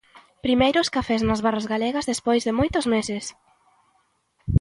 Primeiros cafés nas barras galegas despois de moitos meses...